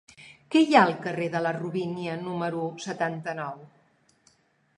Què hi ha al carrer de la Robínia número setanta-nou?